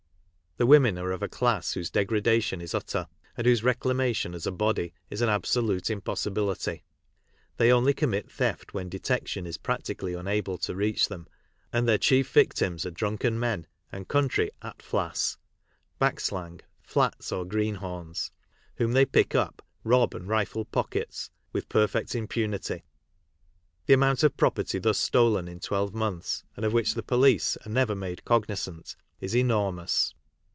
The women are of a class whose degradation is utter, and whose reclamation, as a body, is an absolute impossibility. 1 hey only commit theft when detection is practi cally unable to reach them, and their chief victims are drunken men and country "atflas" (back slang, flats or greenhorns), whom they "pick up"' (rob and rifle pockets), with perfect impunity. Tkf amount of property thus stolen in 12 months, and ot which the police are never made cognisant, h enormous.